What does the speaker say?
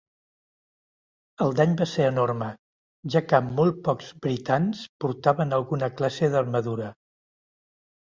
El dany va ser enorme, ja que molt pocs britans portaven alguna classe d'armadura.